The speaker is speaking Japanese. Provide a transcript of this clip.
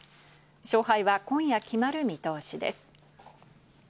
勝敗は今夜、決まる見通しです。